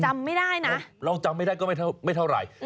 จำไม่ได้นะลองจำไม่ได้ก็ไม่เท่าไหร่